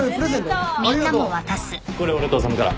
これ俺と修から。